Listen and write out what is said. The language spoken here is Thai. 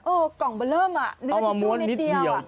เออกล่องเบลิ่มเนื้อทิชชูนิดเดียว